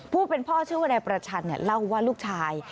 ผู้เป็นพ่อชื่อวนายประชันเล่าว่าลูกชาย